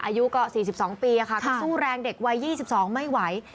อายุก็สี่สิบสองปีค่ะสู้แรงเด็กวัยยี่สิบสองไม่ไหว